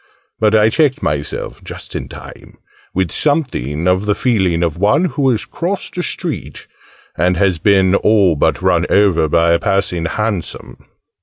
but I checked myself just in time with something of the feeling of one who has crossed a street, and has been all but run over by a passing 'Hansom.'